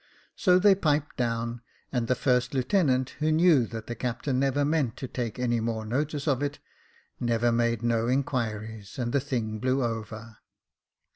So they piped down, and the first lieutenant, who knew that the captain never meant to take any more notice of it, never made no inquiries, and the thing blew over.